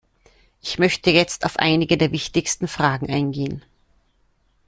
Ich möchte jetzt auf einige der wichtigsten Fragen eingehen.